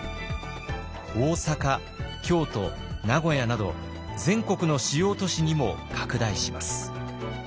大阪京都名古屋など全国の主要都市にも拡大します。